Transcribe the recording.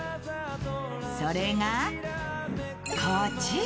それが、こちら。